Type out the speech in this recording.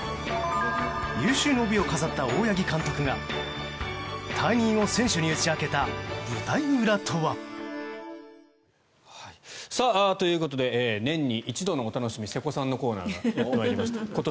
有終の美を飾った大八木監督が退任を選手に打ち明けた舞台裏とは。ということで年に一度のお楽しみ瀬古さんのコーナーがやってまいりました。